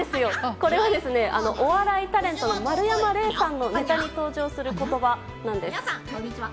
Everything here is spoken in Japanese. これは、お笑いタレントの丸山礼さんのネタに登場する言葉なんです。